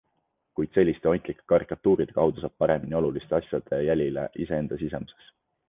Kuid selliste ontlike karikatuuride kaudu saab paremini oluliste asjade jälile iseenda sisemuses.